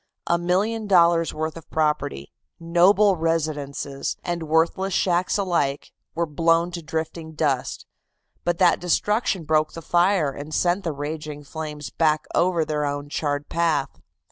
A million dollars' worth of property, noble residences and worthless shacks alike, were blown to drifting dust, but that destruction broke the fire and sent the raging flames back over their own charred path.